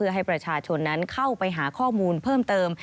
ให้ประชาชนนั้นเข้าไปหาข้อมูลเพิ่มเติม